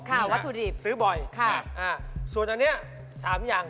ค่ะวัตถุดิบซื้อบ่อยส่วนอันนี้๓อย่าง